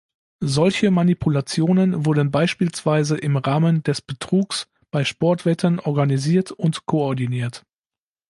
Solche Manipulationen wurden beispielsweise im Rahmen des Betrugs bei Sportwetten organisiert und koordiniert.